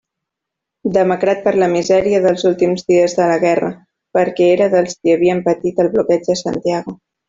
Demacrat per la misèria dels últims dies de la guerra, perquè era dels qui havien patit el bloqueig a Santiago.